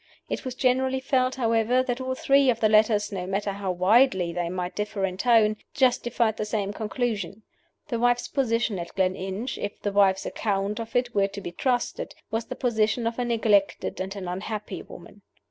It was generally felt, however, that all three of the letters, no matter how widely they might differ in tone, justified the same conclusion. The wife's position at Gleninch (if the wife's account of it were to be trusted) was the position of a neglected and an unhappy woman.